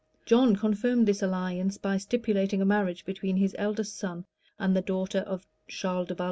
John confirmed this alliance by stipulating a marriage between his eldest son and the daughter of Charles de Valois.